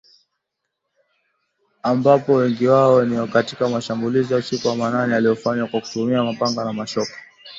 ambapo wengi wao ni katika mashambulizi ya usiku wa manane yaliyofanywa kwa kutumia mapanga na mashoka